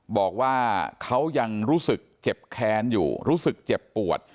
บอกว่าเขายังรู้สึกเจ็บแค้นอยู่รู้สึกเจ็บปวด